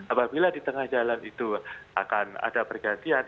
apabila di tengah jalan itu akan ada pergantian